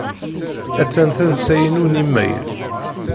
Attan tansa-inu n imayl.